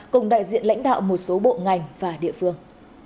cùng đại diện lãnh đạo một số bộ ngành và địa phương